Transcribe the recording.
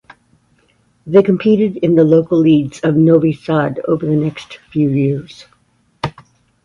They competed in the local leagues of Novi Sad over the next few years.